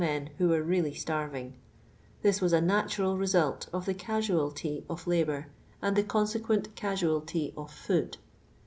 men who were really starviufr. This was a natural result of the casualty of labour and the conse quent &isualty of food.